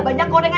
bisa berubah juga